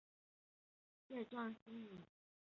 蟹状星云东北面的一个超新星残骸和脉冲风星云。